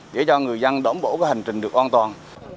để cho người dân đổng bổ hành trình được an toàn